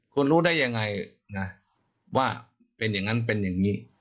คุณรู้ได้ยังไงนะว่าเป็นอย่างนั้นเป็นอย่างนี้